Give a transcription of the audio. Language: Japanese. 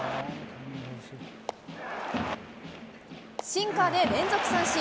シンカーで連続三振。